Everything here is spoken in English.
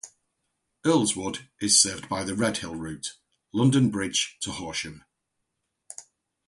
Earlswood is served by the Redhill route: London Bridge to Horsham.